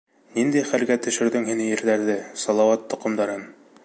Ниндәй хәлгә төшөрҙөң һин ирҙәрҙе, Салауат тоҡомдарын...